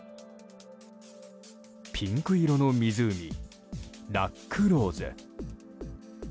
ピンク色の湖、ラック・ローズ。